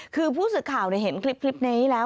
คือผู้สื่อข่าวเห็นคลิปนี้แล้ว